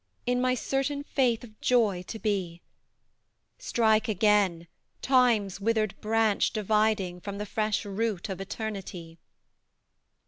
In my certain faith of joy to be Strike again, Time's withered branch dividing From the fresh root of Eternity!